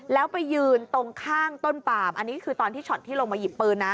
แล้วไปยืนตรงข้างต้นปามอันนี้คือตอนที่ช็อตที่ลงมาหยิบปืนนะ